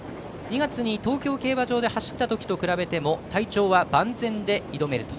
２月に東京競馬場で走ったときと比べても体調は万全で挑めると。